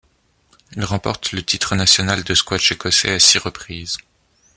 Il remporte le titre national de squash écossais à six reprises.